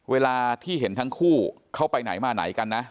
เวลาที่เห็นทั้งคู่เข้าไปไหนมาไหนกันนะ